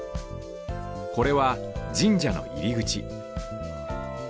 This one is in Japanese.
これは神社のいりぐち